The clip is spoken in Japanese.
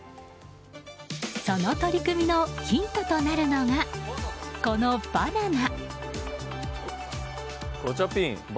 その取り組みのヒントとなるのが、このバナナ！